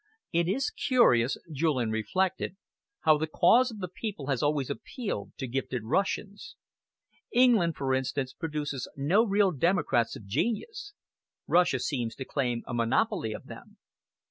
"It is curious," Julian reflected, "how the cause of the people has always appealed to gifted Russians. England, for instance, produces no real democrats of genius. Russia seems to claim a monopoly of them."